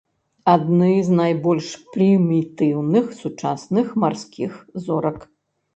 Адны з найбольш прымітыўных сучасных марскіх зорак.